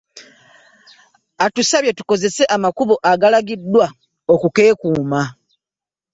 Atusabye okukozesa amakubo agamanyiddwa okukeekuuma.